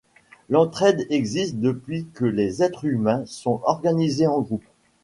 L'entraide existe depuis que les êtres humains sont organisés en groupe.